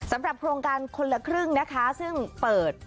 สำหรับโครงการคนละครึ่งนะคะซึ่งเปิด